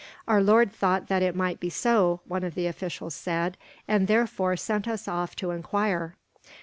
"Our lord thought that it might be so," one of the officials said, "and therefore sent us off to enquire."